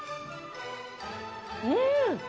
うん！